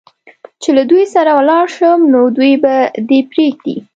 چې له دوی سره ولاړ شم، نو دوی به دې پرېږدي؟